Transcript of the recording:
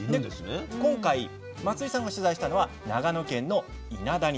今回松井さんが取材したのは長野県の伊那谷です。